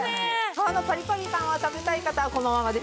皮のパリパリ感を食べたい方はこのままで。